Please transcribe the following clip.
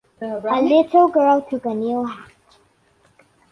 A little girl took a new hat.